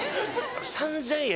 ３０００円。